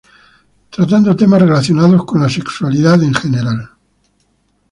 Tratando temas relacionados con la sexualidad en general.